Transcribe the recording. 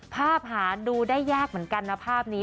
ภาพหาดูได้ยากเหมือนกันนะภาพนี้